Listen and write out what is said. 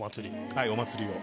はいお祭りを。